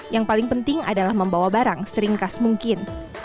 yang paling penting adalah membawa barang seringkas mungkin